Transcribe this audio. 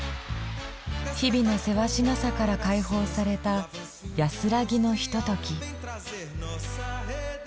日々のせわしなさから解放された安らぎのひととき。